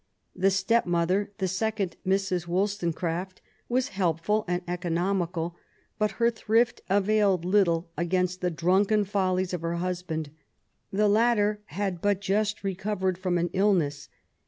The step mother^ the second Mrs. Wollstonecraft^ was helpful and economical; but her thrift availed little against the drunken follies of her husband. The latter had but just recovered from an illness.